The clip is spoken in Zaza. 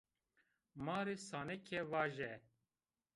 Ma rê sanike vaje